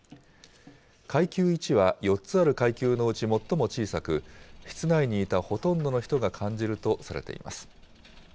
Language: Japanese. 階級１は４つある階級のうち最も小さく、室内にいたほとんどの人が感じるとされています。